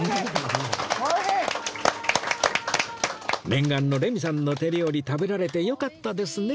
念願のレミさんの手料理食べられてよかったですね